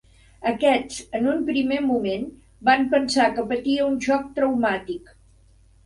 Aquests, en un primer moment, van pensar que patia un xoc traumàtic.